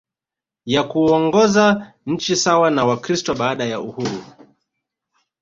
ya kuongoza nchi sawa na Wakristo baada ya uhuru